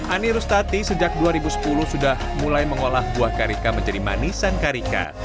ani rustati sejak dua ribu sepuluh sudah mulai mengolah buah karika menjadi manisan karika